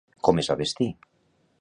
Com es va vestir?